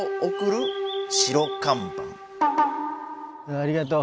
ありがとう